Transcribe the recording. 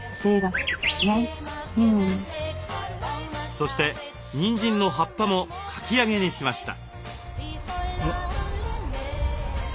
そしてニンジンの葉っぱもかき揚げにしました。